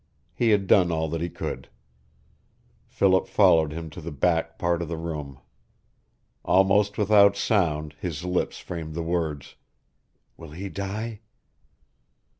He had done all that he could. Philip followed him to the back part of the room. Almost without sound his lips framed the words, "Will he die?"